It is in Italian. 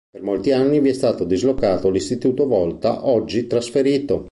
Per molti anni vi è stato dislocato l'istituto Volta oggi trasferito.